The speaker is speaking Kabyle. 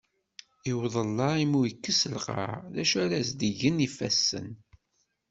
I udellaɛ i mu yekkes lqaɛ, d acu ara as-d-gen yifassen.